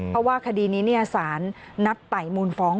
เพราะว่าคดีนี้สารนัดไต่มูลฟ้อง